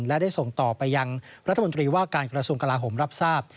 และได้ส่งต่อไปยังรัฐมนตรีว่าการกระทรวงกลาโหมรับทราบ